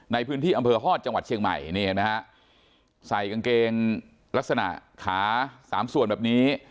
ในพื้นที่อำเภอฮอตจังหวัดเชียงใหม่นี่เห็นไหมฮะใส่กางเกงลักษณะขาสามส่วนแบบนี้